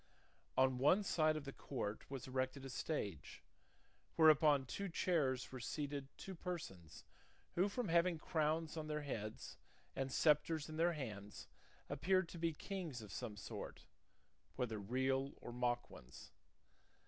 On one side of the court was erected a stage, where upon two chairs were seated two persons who from having crowns on their heads and sceptres in their hands appeared to be kings of some sort, whether real or mock ones.